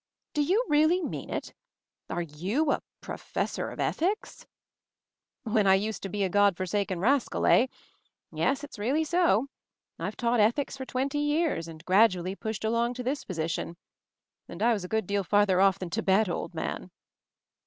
"Do you really mean it? Are you — a Professor of Ethics?" "When I used to be a God forsaken ras cal, eh? Yes, it's really so. IVe taught Ethics for twenty years, and gradually pushed along to this position. And I was a good deal farther off than Tibet, old man."